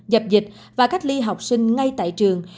dập dịch và cách ly học sinh ngay tại trường